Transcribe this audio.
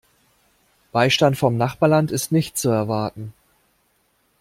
Beistand vom Nachbarland ist nicht zu erwarten.